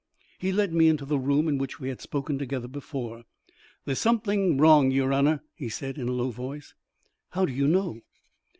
He led me into the room in which we had spoken together before. "There's something wrong, yer honour," he said in a low voice. "How do you know?"